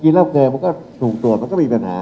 กินแล้วเกินมันก็ถูกตรวจมันก็มีปัญหา